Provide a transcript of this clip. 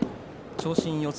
長身四つ